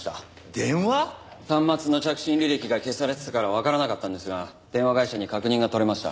端末の着信履歴が消されてたからわからなかったんですが電話会社に確認が取れました。